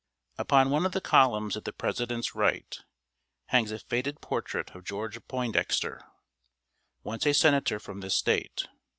Upon one of the columns at the president's right, hangs a faded portrait of George Poindexter, once a senator from this State.